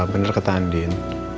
ya pak benar kata andien